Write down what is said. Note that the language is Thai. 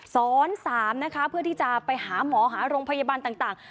๓นะคะเพื่อที่จะไปหาหมอหาโรงพยาบาลต่าง